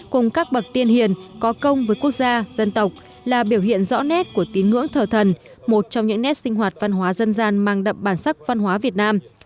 cùng các bậc tiên hiền có công với quốc gia dân tộc là biểu hiện rõ nét của tín ngưỡng thờ thần một trong những nét sinh hoạt văn hóa dân gian mang đậm bản sắc văn hóa việt nam